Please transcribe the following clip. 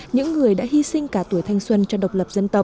những người đã hy sinh cả tuổi thanh xuân cho độc lập dân tộc